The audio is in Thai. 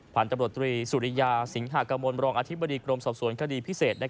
ผ่านตำรวจตรีสุริยาสิงหากมลรองอธิบดีกรมสอบสวนคดีพิเศษ